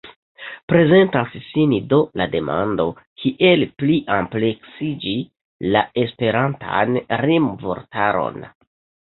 Prezentas sin do la demando, kiel pliampleksiĝi la Esperantan rimvortaron.